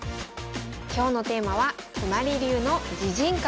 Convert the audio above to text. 今日のテーマは都成流の自陣角です。